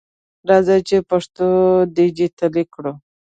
راځئ چې پښتو ډیجټالي کړو!